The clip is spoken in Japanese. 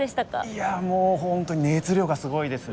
いやもう本当に熱量がすごいですね。